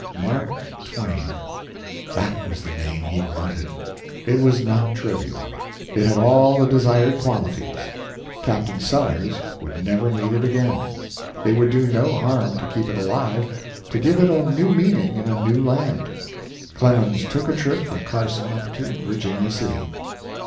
Mark Twain! That was the name he wanted. It was not trivial. It had all the desired qualities. Captain Sellers would never need it again. It would do no harm to keep it alive to give it a new meaning in a new land. Clemens took a trip from Carson up to Virginia City.